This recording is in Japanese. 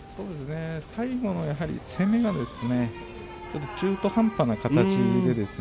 最後の攻めがちょっと中途半端な形でですね